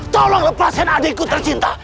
tolong lepaskan adikku tercinta